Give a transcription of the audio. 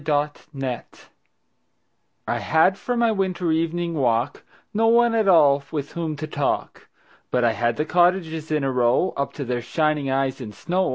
Good Hours I HAD for my winter evening walk No one at all with whom to talk, But I had the cottages in a row Up to their shining eyes in snow.